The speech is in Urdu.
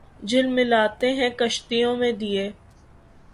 جھلملاتے ہیں کشتیوں میں دیے